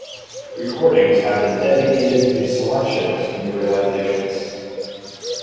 Recordings have been dedicated to selections from the realizations.